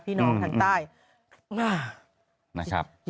พี่น้องทางใต้